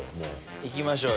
行きましょうよ。